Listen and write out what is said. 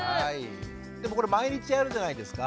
でもこれ毎日やるじゃないですか。